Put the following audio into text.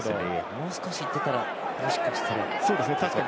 もう少しいってたらもしかしたらと。